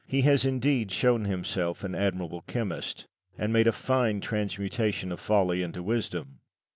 He has indeed shown himself an admirable chemist, and made a fine transmutation of folly into wisdom.